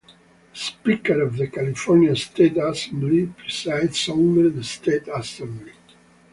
The Speaker of the California State Assembly presides over the State Assembly.